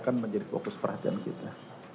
kan menjadi fokus perhatian kita